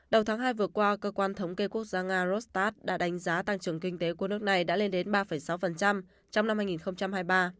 đầu tháng hai vừa qua cơ quan thống kê quốc gia nga rostat đã đánh giá tăng trưởng kinh tế của nước này đã lên đến ba sáu trong năm hai nghìn hai mươi ba